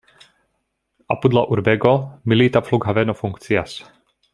Apud la urbego milita flughaveno funkcias.